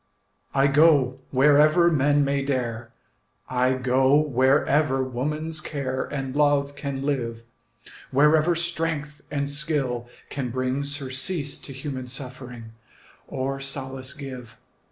I go wherever men may dare, I go wherever woman's care And love can live, Wherever strength and skill can bring Surcease to human suffering, Or solace give.